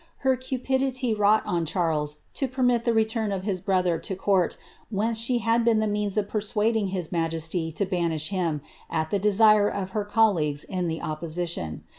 Her cupidity wrought on Charles to permit the return of his brother to court,' whence she had been the means of persuading his majesty to banish him, at tbe detfire of her colleagues in the opposition.